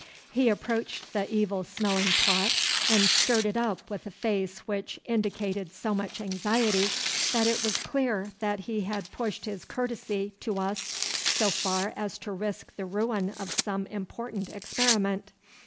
He approached the evil smelling pot, and stirred it up with a face which indicated so much anxiety that it was clear that he had pushed his courtesy to us so far as to risk the ruin of some important experiment.